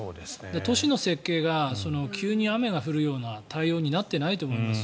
都市の設計が急に雨が降るような対応になっていないと思います。